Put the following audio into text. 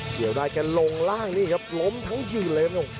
เดี่ยวได้แกลงล่างอยู่นี่ครับล้มทั้งหยื่นเลยครับ